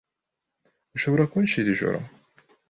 Ushobora kunshira ijoro?